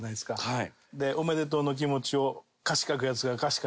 はい。